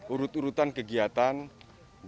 urut urutan kegiatan dan kegiatan yang berbeda